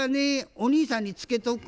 お兄さんにツケとく」